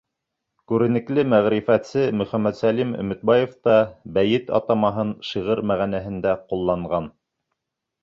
Күренекле мәғрифәтсе Мөхәмәтсәлим Өмөтбаев та бәйет атамаһын шиғыр мәғәнәһендә ҡулланған.